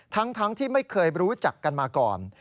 ทั้งที่ไม่เคยรู้จักกันมาก่อน